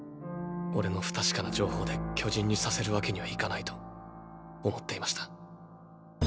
オレの不確かな情報で巨人にさせるわけにはいかないと思っていました。